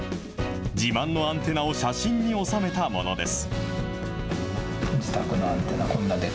自慢のアンテナを写真に収めたものです。